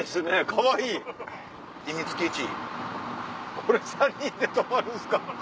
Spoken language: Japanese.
これ３人で泊まるんですか？